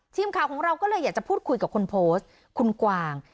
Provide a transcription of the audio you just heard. ทีมข่าวของเราก็เลยอยากจะพูดคุยกับคนโพสต์คุณกวาง